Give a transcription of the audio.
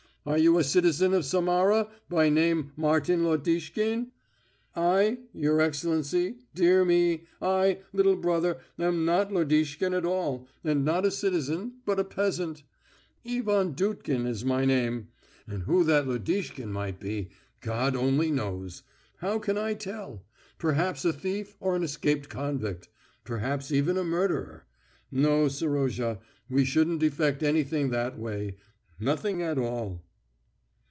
Are you a citizen of Samara, by name Martin Lodishkin?' I, your Excellency, dear me I, little brother, am not Lodishkin at all, and not a citizen, but a peasant. Ivan Dudkin is my name. And who that Lodishkin might be, God alone knows! How can I tell? Perhaps a thief or an escaped convict. Perhaps even a murderer. No, Serozha, we shouldn't effect anything that way. Nothing at all...."